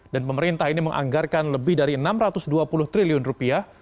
dan pemerintah ini menganggarkan lebih dari enam ratus dua puluh triliun rupiah